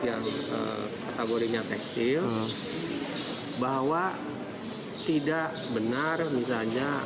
yang kategorinya tekstil bahwa tidak benar misalnya